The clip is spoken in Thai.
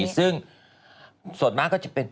ซึ่งส่วนมากก็จะเป็น